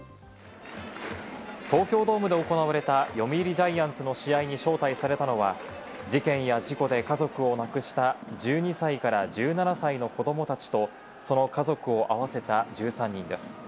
東京ドームで行われた読売ジャイアンツの試合に招待されたのは、事件や事故で家族を亡くした１２歳から１７歳の子どもたちと、その家族を合わせた１３人です。